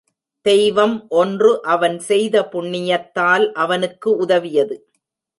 தெய்வம் ஒன்று அவன் செய்த புண்ணியத்தால் அவனுக்கு உதவியது.